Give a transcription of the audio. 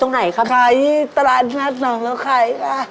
นี่ตลาดนัดหนองนกไข่ค่ะ